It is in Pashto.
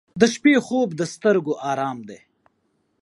• د شپې خوب د سترګو آرام دی.